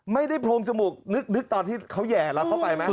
ไม่ได้โพรงจมูกนึกตอนที่เขาแหย่หลับเข้าไปไหม